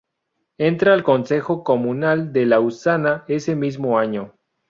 Entra al consejo comunal de Lausana ese mismo año.